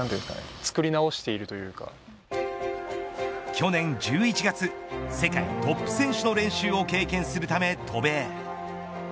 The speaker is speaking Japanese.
去年１１月世界トップ選手の練習を経験するため渡米。